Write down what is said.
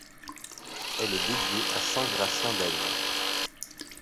Elle est dédiée à saint Gratien d'Amiens.